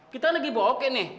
kita lagi bokeh nih